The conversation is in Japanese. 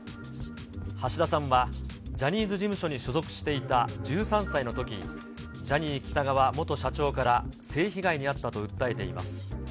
橋田さんはジャニーズ事務所に所属していた１３歳のとき、ジャニー喜多川元社長から性被害に遭ったと訴えています。